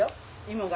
芋が。